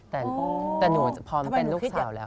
แต่หนูพร้อมเป็นลูกสาวแล้ว